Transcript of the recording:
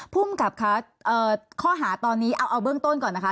ภูมิกับค่ะข้อหาตอนนี้เอาเบื้องต้นก่อนนะคะ